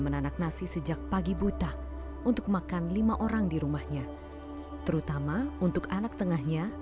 menanak nasi sejak pagi buta untuk makan lima orang di rumahnya terutama untuk anak tengahnya